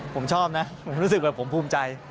ผมชอบนะผมรู้สึกว่าผมภูมิใจ